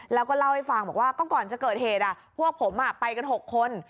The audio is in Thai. แล้วก็เล่าให้ฟังบอกว่าก็ก่อนจะเกิดเหตุพวกผมไปกัน๖คน